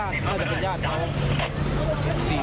๔คน